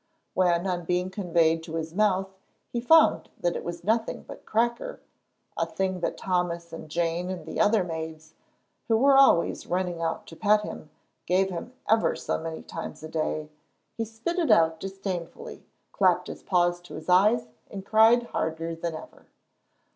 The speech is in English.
When on being conveyed to his mouth he found that it was nothing but cracker, a thing that Thomas and Jane and the other maids, who were always running out to pet him, gave him ever so many times a day, he spit it out disdainfully, clapped his paws to his eyes, and cried harder than ever.